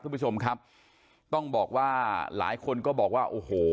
คุณผู้ชมครับต้องบอกว่าหลายคนก็บอกว่าโอ้โห